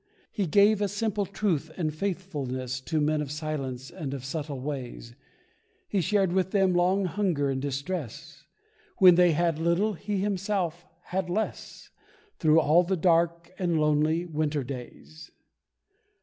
He gave a simple truth and faithfulness To men of silence and of subtle ways; He shared with them long hunger and distress When they had little, he himself had less, Through all the dark and lonely winter days.